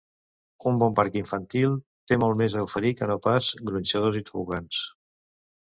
Un bon parc infantil té molt més a oferir que no pas gronxadors i tobogans.